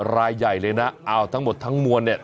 รายใหญ่เลยนะเอาทั้งหมดทั้งมวลเนี่ย